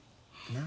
何？